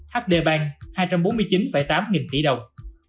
hd bank hai trăm bốn mươi chín tám nghìn tỷ đồng